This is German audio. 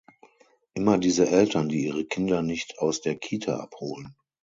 Immer diese Eltern, die ihre Kinder nicht aus der Kita abholen!